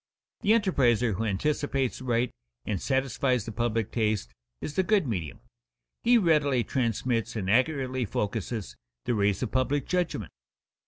_ The enterpriser who anticipates aright and satisfies the public taste is the good medium. He readily transmits and accurately focuses the rays of public judgment.